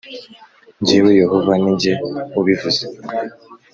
Jyewe Yehova ni jye ubivuze